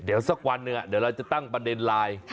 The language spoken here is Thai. เดี๋ยวสักวันหนึ่งเดี๋ยวเราจะตั้งประเด็นไลน์